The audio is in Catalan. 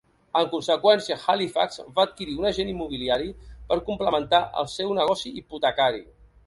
En conseqüència, Halifax va adquirir un agent immobiliari per complementar el seu negoci hipotecari.